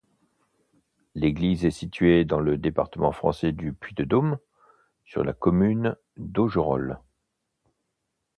L'église est située dans le département français du Puy-de-Dôme, sur la commune d'Augerolles.